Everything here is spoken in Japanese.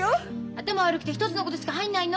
頭悪くて１つのことしか入んないの？